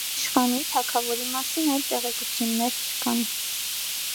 Այս իշխանի (թագավորի) մասին այլ տեղեկություններ չկան։